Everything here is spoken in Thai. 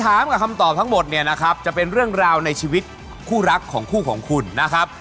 ถามกับคำตอบทั้งหมดเนี่ยนะครับจะเป็นเรื่องราวในชีวิตคู่รักของคู่ของคุณนะครับ